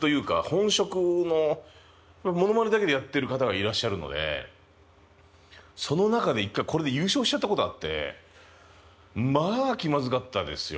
本職のモノマネだけでやってる方がいらっしゃるのでその中で１回これで優勝しちゃったことあってまあ気まずかったですよ